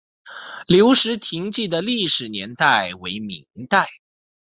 留石亭记的历史年代为明代。